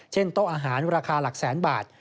โต๊ะอาหารราคาหลักแสนบาท